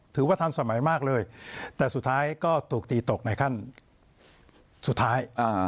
ถือว่าทันสมัยมากเลยแต่สุดท้ายก็ถูกตีตกในขั้นสุดท้าย